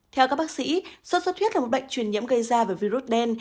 theo các bác sĩ xuất xuất huyết là một bệnh truyền nhiễm gây ra bởi virus đen